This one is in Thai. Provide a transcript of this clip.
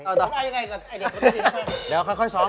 ต้องการยังไงก่อนไอ้เด็กก็ไม่ดีนะครับ